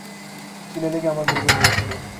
শিলায় লেগে আমার ঘড়ি ভেঙে গেছিল।